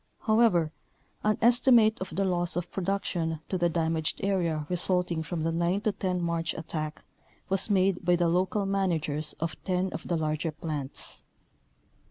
However, an estimate of the loss of production to the damaged area resulting from the 9 10 March attack was made by the local managers of 10 of the larger plants.